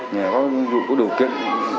nhà có đủ kiện